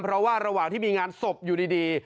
เพราะว่าระหว่างที่มีงานศพอยู่ดี